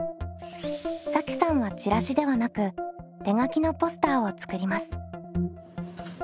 さきさんはチラシではなく手書きのポスターを作ります。